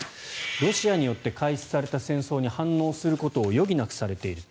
ロシアによって開始された戦争に反応することを余儀なくされている。